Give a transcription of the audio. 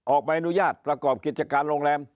ใบอนุญาตประกอบกิจการโรงแรม